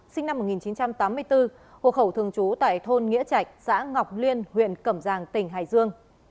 sinh năm một nghìn chín trăm tám mươi bốn hộ khẩu thường trú tại thôn nghĩa trạch xã ngọc liên huyện cẩm giang tỉnh hải dương